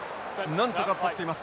なんとか取っています。